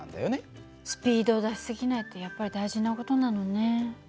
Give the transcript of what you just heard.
スピードを出し過ぎないってやっぱり大事な事なのね。